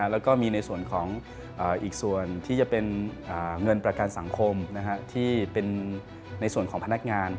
แล้วก็มีในส่วนของอีกส่วนที่จะเป็นเงินประกันสังคมที่เป็นในส่วนของพนักงาน